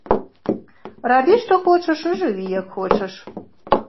Рабі што хочаш і жыві як хочаш.